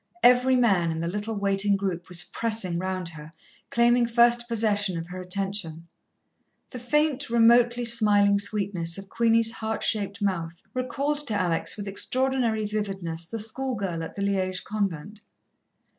Every man in the little waiting group was pressing round her, claiming first possession of her attention. The faint, remotely smiling sweetness of Queenie's heart shaped mouth recalled to Alex with extraordinary vividness the schoolgirl at the Liège convent.